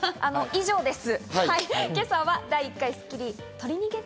以上です。